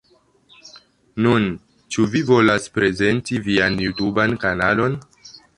Nun, ĉu vi volas prezenti vian jutuban kanalon?